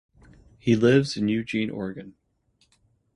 He lives in Eugene, Oregon.